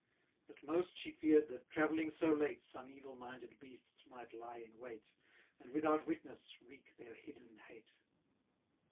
But most she fear'd that, travelling so late, Some evil minded beasts might lie in wait, And, without witness, wreak their hidden hate.